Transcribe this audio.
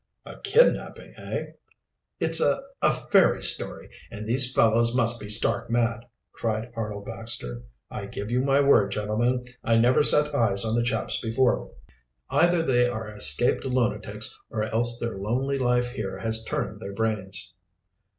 "A kidnapping, eh?" "It's a a fairy story, and these fellows must be stark mad!" cried Arnold Baxter. "I give you my word, gentlemen, I never set eyes on the chaps before. Either they are escaped lunatics or else their lonely life here has turned their brains."